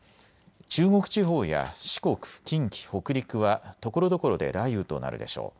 中国地方や四国、近畿、北陸はところどころで雷雨となるでしょう。